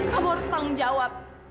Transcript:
kamu harus tanggung jawab